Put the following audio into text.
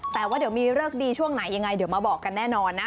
แต่ว่าเดี๋ยวมีเลิกดีช่วงไหนยังไงเดี๋ยวมาบอกกันแน่นอนนะ